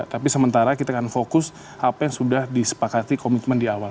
tapi sementara kita akan fokus apa yang sudah disepakati komitmen di awal